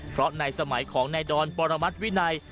เพราะในสมัยของนายดอนปรมัติวินัย